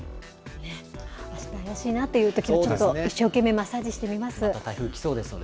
あした怪しいなというときもちょっと一生懸命、マッサージしまた台風来そうですので。